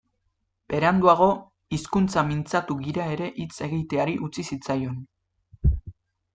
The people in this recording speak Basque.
Beranduago, hizkuntza mintzatu gira ere hitz egiteari utzi zitzaion.